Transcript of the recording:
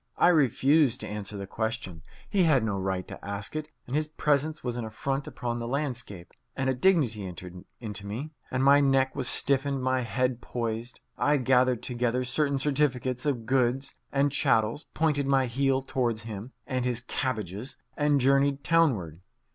I refused to answer the question. He had no right to ask it, and his presence was an affront upon the landscape. And a dignity entered into me, and my neck was stiffened, my head poised. I gathered together certain certificates of goods and chattels, pointed my heel towards him and his cabbages, and journeyed townward.